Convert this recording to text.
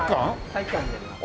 体育館になります。